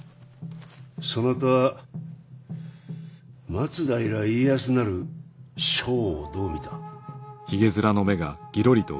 そなたは松平家康なる将をどう見た？